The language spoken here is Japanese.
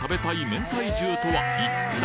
めんたい重とは一体？